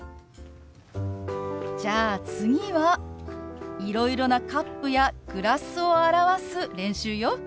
じゃあ次はいろいろなカップやグラスを表す練習よ。